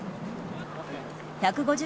１５０